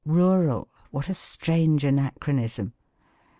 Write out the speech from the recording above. Rural! what a strange anachronism!